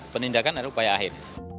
penindakan adalah upaya akhir